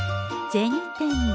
銭天堂。